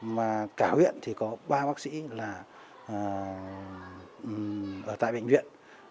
mà cả huyện thì có ba bác sĩ là ở tại bệnh viện